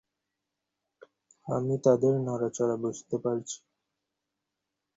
আমি তাদের নড়াচড়া বুঝতে পারছি।